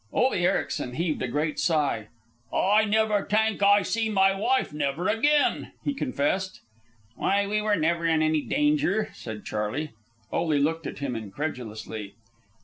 Ole Ericsen heaved a great sigh. "Ay never tank Ay see my wife never again," he confessed. "Why, we were never in any danger," said Charley. Ole looked at him incredulously.